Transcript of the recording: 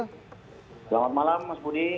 selamat malam mas budi